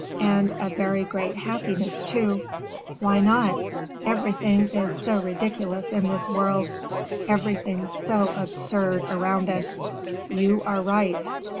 "And a very great happiness, too." "Why not? Everything is so ridiculous in this world, everything so absurd around us." "You are right."